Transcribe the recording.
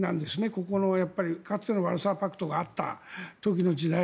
ここのかつてのワルシャワがあった時の時代。